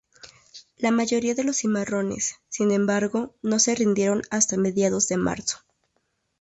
La mayoría de los cimarrones, sin embargo, no se rindieron hasta mediados de marzo.